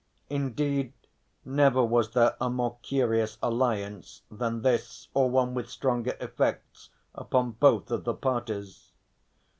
Indeed never was there a more curious alliance than this or one with stranger effects upon both of the parties.